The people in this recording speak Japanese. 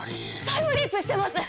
タイムリープしてます！